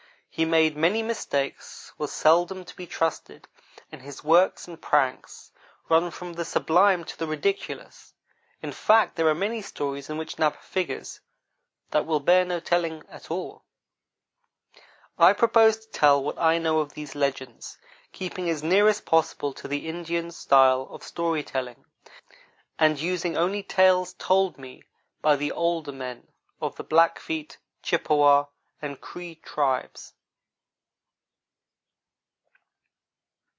He made many mistakes; was seldom to be trusted; and his works and pranks run from the sublime to the ridiculous. In fact, there are many stories in which Napa figures that will not bear telling at all. I propose to tell what I know of these legends, keeping as near as possible to the Indian's style of story telling, and using only tales told me by the older men of the Blackfeet, Chippewa, and Cree tribes.